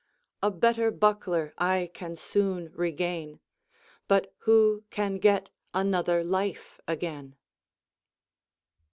A better buckler I can soon regain, But who can get another life again